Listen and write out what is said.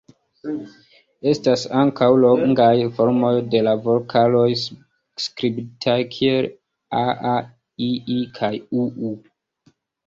Estas ankaŭ longaj formoj de la vokaloj, skribitaj kiel 'aa', 'ii' kaj 'uu'.